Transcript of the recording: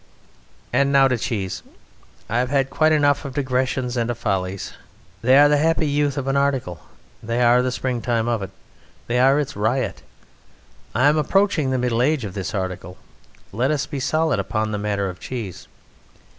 And now to cheese. I have had quite enough of digressions and of follies. They are the happy youth of an article. They are the springtime of it. They are its riot. I am approaching the middle age of this article. Let us be solid upon the matter of cheese.